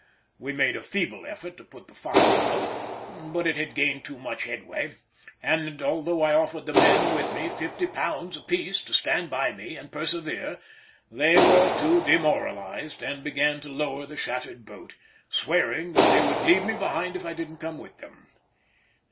We made a feeble effort to put the fire out, but it had gained too much headway, and although I offered the men with me £50 apiece to stand by me and persevere, they were too demoralised and began to lower the shattered boat, swearing that they would leave me behind if I didn't come with them.